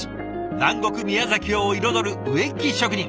南国宮崎を彩る植木職人。